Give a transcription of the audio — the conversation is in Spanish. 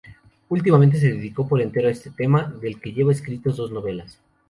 Últimamente se dedicó por entero a este tema, del que lleva escritos dos novelas.